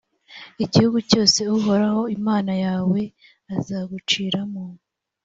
igihugu cyose uhoraho imana yawe azaguciramo.